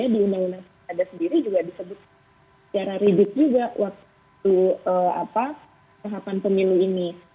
di undang undang pilkada sendiri juga disebut secara ridik juga waktu tahapan pemilu ini